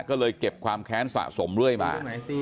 ก็เลยเก็บความแค้นสะสมเรื่อยมา